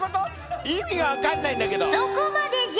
そこまでじゃ。